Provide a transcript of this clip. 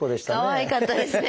かわいかったですね